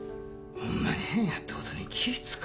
ホンマに変やってことに気ぃ付か